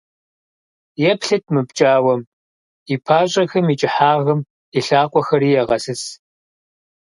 Еплъыт мы пкӏауэм и пащӏэхэм я кӏыхьагъым, и лъакъуэхэри егъэсыс.